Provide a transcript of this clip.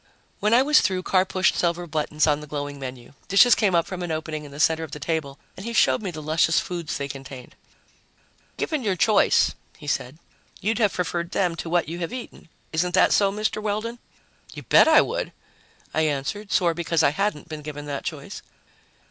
When I was through, Carr pushed several buttons on the glowing menu. Dishes came up from an opening in the center of the table and he showed me the luscious foods they contained. "Given your choice," he said, "you'd have preferred them to what you have eaten. Isn't that so, Mr. Weldon?" "You bet I would!" I answered, sore because I hadn't been given that choice.